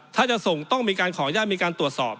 ถ้าจะส่งต้องมีการขออนุญาตมีการตรวจสอบ